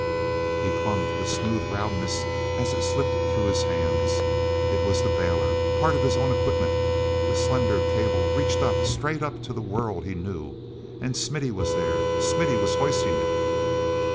e clung to the smooth roundness as it slipped through his hands. It was the bailer, part of his own equipment. That slender cable reached up, straight up to the world he knew. And Smithy was there—Smithy was hoisting it!